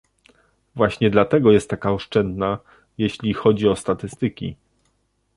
Właśnie dlatego jest taka oszczędna, jeśli chodzi o statystyki